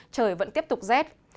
trời vẫn tiếp tục rét